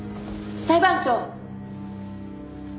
裁判長。